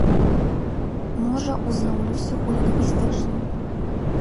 Можа, узнаўлюся ў лінгвістычным.